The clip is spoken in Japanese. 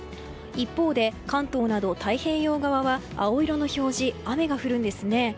一方で関東など太平洋側は青色の表示雨が降るんですね。